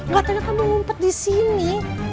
gak ternyata mau ngumpet disini